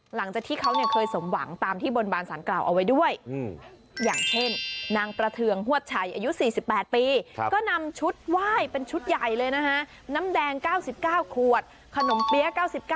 หลังจากที่เขาเคยสมหวังตามที่บนบานสรรค์กล่าวเอาไว้ด้วย